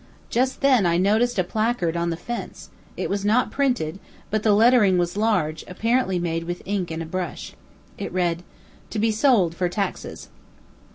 Just then I noticed a placard on the fence; it was not printed, but the lettering was large, apparently made with ink and a brush. It read: TO BE SOLD For TAXES.